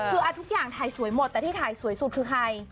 คือทุกอย่างถ่ายสวยหมดแต่ที่ถ่ายสวยสุดคือใคร